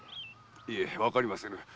いえわかりませぬ。